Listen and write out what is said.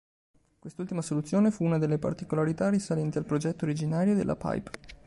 Quest'ultima soluzione fu una delle particolarità risalenti al progetto originario della Pipe.